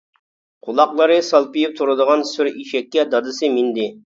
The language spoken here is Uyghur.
قۇلاقلىرى سالپىيىپ تۇرىدىغان سۈر ئېشەككە دادىسى مىندى.